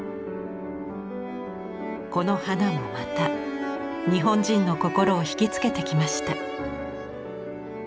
この花もまた日本人の心をひきつけてきました。